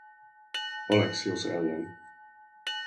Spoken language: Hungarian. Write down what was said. Alexiosz ellen.